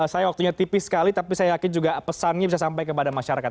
saya waktunya tipis sekali tapi saya yakin juga pesannya bisa sampai kepada masyarakat